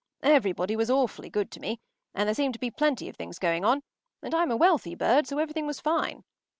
Everybody was awfully good to me, and there seemed to be plenty of things going on, and I’m a wealthy bird, so everything was fine.